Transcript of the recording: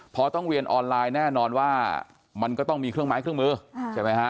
พอต้องเรียนออนไลน์แน่นอนว่ามันก็ต้องมีเครื่องไม้เครื่องมือใช่ไหมฮะ